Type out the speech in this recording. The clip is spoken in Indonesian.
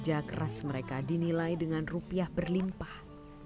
mereka diberikan hasil kerja keras mereka dinilai dengan rupiah berlimpah